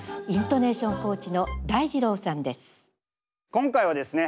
今回はですね